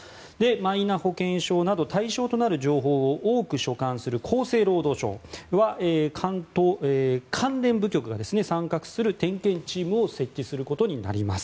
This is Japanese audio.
マイナ保険証など対象となる情報を多く所管する厚生労働省には関連部局が参画する点検チームを設置することになります。